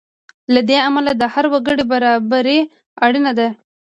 له دې امله د هر وګړي برابري اړینه ده.